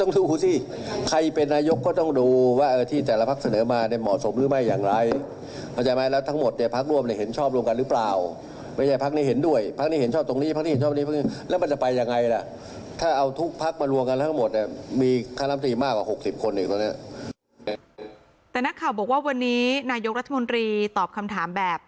แต่นักข่าวบอกว่าวันนี้นายกรัฐมนตรีตอบคำถามแบบ